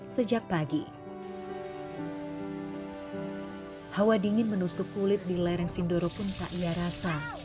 sejak pagi hawa dingin menusuk kulit di lereng sindoro pun tak ia rasa